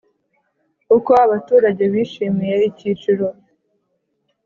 Uko abaturage bishimiye icyiciro